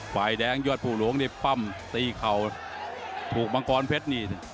ฝ่ายแดงยอดผู้หลวงนี่ปั้มตีเข่าถูกมังกรเพชรนี่